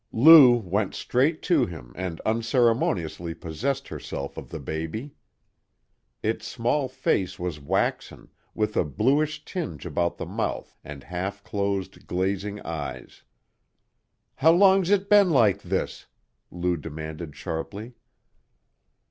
Lou went straight to him and unceremoniously possessed herself of the baby. Its small face was waxen, with a bluish tinge about the mouth, and half closed, glazing eyes. "How long's it been like this?" Lou demanded sharply.